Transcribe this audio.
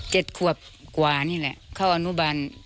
ขวบกว่านี่แหละเข้าอนุบัน